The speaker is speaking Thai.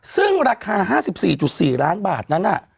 ซึ่งราคา๕๔๔ล้านบาทนั้น